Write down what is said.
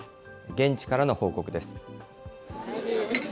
現地からの報告です。